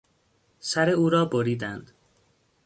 سر او را بریدند.